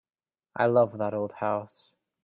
I love that old house.